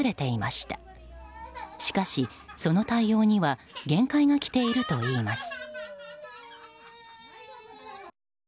しかし、その対応には限界がきているといいます。